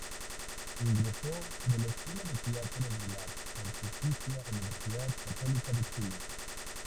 Egresó de la Escuela de Teatro de la Pontificia Universidad Católica de Chile.